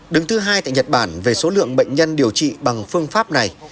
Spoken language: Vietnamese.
đứng thứ hai tại nhật bản về số lượng bệnh nhân điều trị bằng phương pháp này